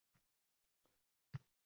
Adoqsiz vijdon qiynog`ida qoldim